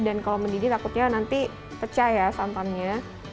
dan kalau mendidih takutnya nanti pecah ya santannya